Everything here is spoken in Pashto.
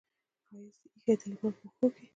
ښایست یې ایښې د لمر په پښو کې